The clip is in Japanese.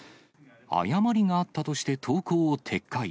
誤りがあったとして、投稿を撤回。